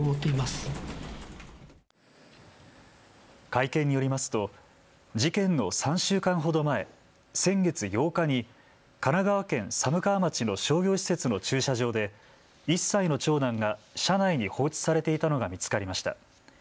会見によりますと事件の３週間ほど前、先月８日に神奈川県寒川町の商業施設の駐車場で１歳の長男が車内に放置されていたのが見つかりました。